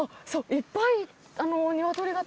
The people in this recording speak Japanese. いっぱい。